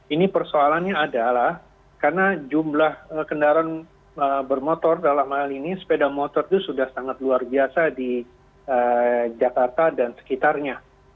ini persoalannya adalah karena jumlah kendaraan bermotor dalam hal ini sepeda motor itu sudah sangat luar biasa di jakarta dan sekitarnya